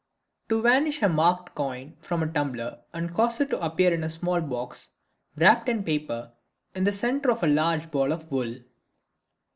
To Vanish a Marked Coin from a Tumbler and Cause it to appear in a Small Box, wrapped in Paper in the Center of a Large Ball of Wool.